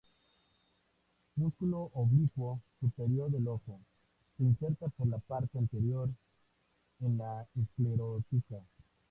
Músculo oblicuo superior del ojo: Se inserta por la parte anterior en la esclerótica.